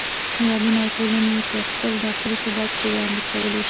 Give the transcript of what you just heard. هېوادونه او ټولنې یې په خپل داخلي ثبات کې وړاندې کولای شي.